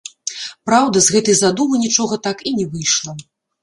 Праўда, з гэтай задумы нічога так і не выйшла.